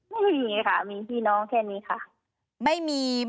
ไม่มีค่ะมีพี่น้องแค่นี้ค่ะ